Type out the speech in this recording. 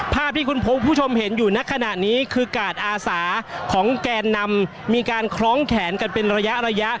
ภาพที่คุณผู้ชมเห็นอยู่ในขณะนี้คือกาดอาสาของแกนนำมีการคล้องแขนกันเป็นระยะระยะ